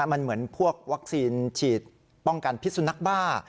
มันเหมือนพวกวัคซีนฉีดป้องกันพิษสุนัขบ้า